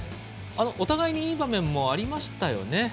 お互いにいい場面もありましたよね。